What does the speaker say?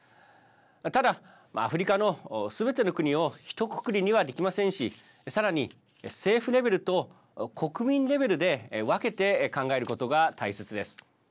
ただ、アフリカのすべての国をひとくくりにはできませんしさらに政府レベルと国民レベルで分けて考えることが大切です。